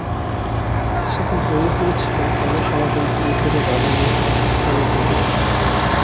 সেদিন বইয়ে পড়ছিলুম– কেন সারাদিন ধীরে ধীরে বালু নিয়ে শুধু খেল তীরে!